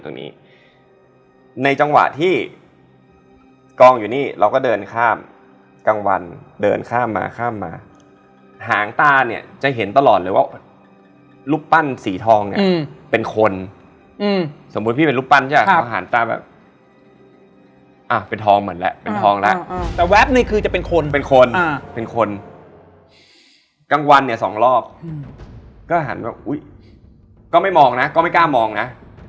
ตรงนี้ในจังหวะที่กองอยู่นี่เราก็เดินข้ามกลางวันเดินข้ามมาข้ามมาหางตาเนี่ยจะเห็นตลอดเลยว่าลูกปั้นสีทองเนี่ยอืมเป็นคนอืมสมมุติพี่เป็นลูกปั้นใช่ไหมครับหางตาแบบอ่ะเป็นทองเหมือนแหละเป็นทองแล้วอ่าแต่แว๊บในคือจะเป็นคนเป็นคนอ่าเป็นคนกลางวันเนี่ยสองรอบอืมก็หันแบบอุ